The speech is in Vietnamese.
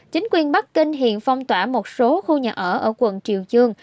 chính quyền bắc kinh hiện phong tỏa một số khu nhà ở ở quận triều